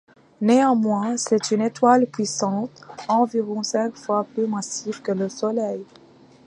Néanmoins, c'est une étoile puissante, environ cinq fois plus massive que le Soleil.